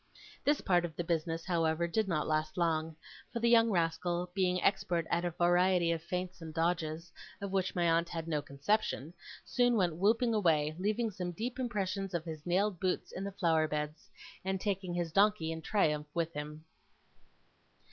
This part of the business, however, did not last long; for the young rascal, being expert at a variety of feints and dodges, of which my aunt had no conception, soon went whooping away, leaving some deep impressions of his nailed boots in the flower beds, and taking his donkey in triumph with him.